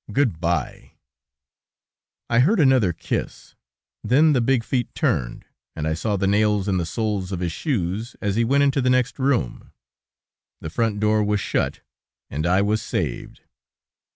Good bye." I heard another kiss, then the big feet turned, and I saw the nails in the soles of his shoes as he went into the next room, the front door was shut, and I was saved!